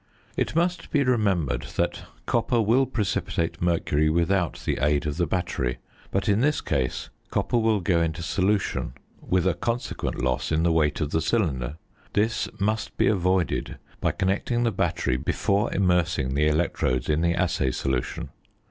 It must be remembered that copper will precipitate mercury without the aid of the battery; but in this case copper will go into solution with a consequent loss in the weight of the cylinder: this must be avoided by connecting the battery before immersing the electrodes in the assay solution.